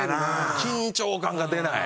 緊張感が出ない。